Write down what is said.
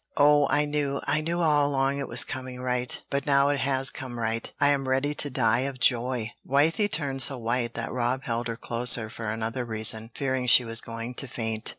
Oh, I knew, I knew all along it was coming right, but now it has come right, I'm ready to die of joy." Wythie turned so white that Rob held her closer for another reason, fearing she was going to faint.